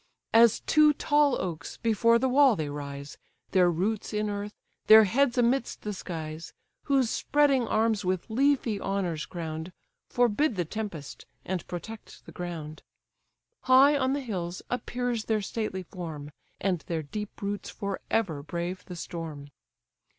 As two tall oaks, before the wall they rise; Their roots in earth, their heads amidst the skies: Whose spreading arms with leafy honours crown'd, Forbid the tempest, and protect the ground; High on the hills appears their stately form, And their deep roots for ever brave the storm.